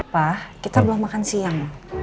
apa kita belum makan siang